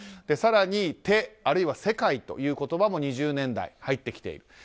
更に、手、あるいは世界という言葉も２０年代、入ってきている。